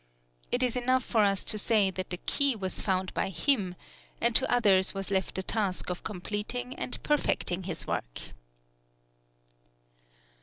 It is enough for us to say that the key was found by him, and to others was left the task of completing and perfecting his work.